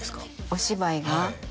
お芝居が？